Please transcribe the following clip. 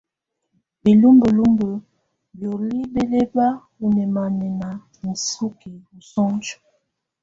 Bilúmbə́lumbə bioli bɛ lɛba ɔ nɛmanɛna nisuki ɔ sunj.